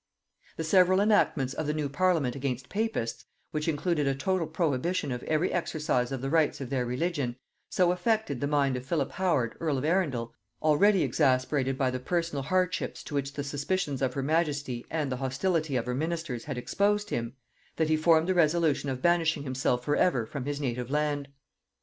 The severe enactments of the new parliament against papists, which included a total prohibition of every exercise of the rites of their religion, so affected the mind of Philip Howard earl of Arundel, already exasperated by the personal hardships to which the suspicions of her majesty and the hostility of her ministers had exposed him, that he formed the resolution of banishing himself for ever from his native land.